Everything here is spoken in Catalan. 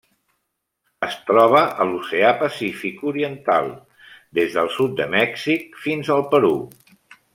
Es troba a l'Oceà Pacífic oriental: des del sud de Mèxic fins al Perú.